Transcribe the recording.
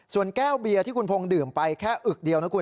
ส่วนแก้วเบียร์ที่คุณพงศ์ดื่มไปแค่อึกเดียวนะคุณ